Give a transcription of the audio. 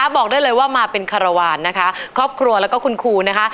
บอกได้เลยว่ามาเป็นคารวาลนะคะครอบครัวแล้วก็คุณครูนะคะ